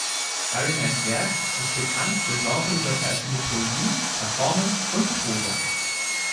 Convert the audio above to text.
Harrymans Werk ist bekannt für genreübergreifende Poesie, Performance und Prosa.